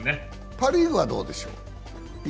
パ・リーグはどうでしょう？